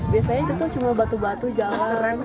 biasanya itu tuh cuma batu batu jalanan